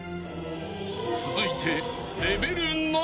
［続いて］